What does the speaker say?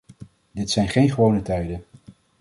Dit zijn geen gewone tijden.